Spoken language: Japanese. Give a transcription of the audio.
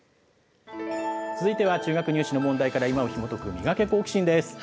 続いては中学入試の問題から今をひもとくミガケ、好奇心！です。